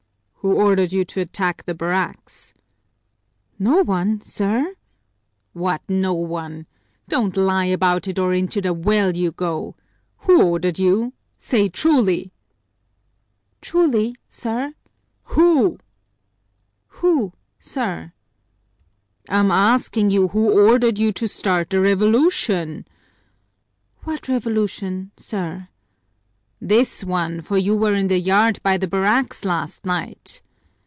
"Who ordered you to attack the barracks?" "No one, sir!" "What, no one? Don't lie about it or into the well you go! Who ordered you? Say truly!" "Truly, sir!" "Who?" "Who, sir!" "I'm asking you who ordered you to start the revolution?" "What revolution, sir?" "This one, for you were in the yard by the barracks last night."